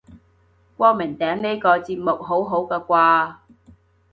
光明頂呢個節目好好個喎